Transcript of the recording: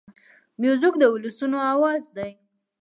موزیک د ولسونو آواز دی.